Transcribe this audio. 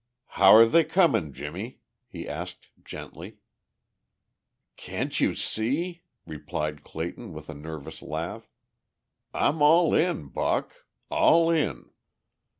"How're they coming, Jimmie?" he asked gently. "Can't you see?" replied Clayton with a nervous laugh. "I'm all in, Buck. All in."